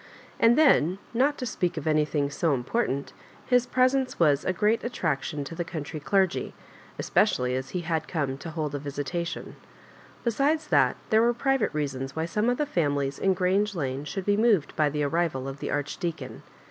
And then, not to speak of anythmg so important, his presence was a great attraction to the country dergy, especially as he had come to hold a vi8itatit)n. Besides that, there were private reasons why some of the families in Orange Lane should be moved by the arrival of the Archdeacon.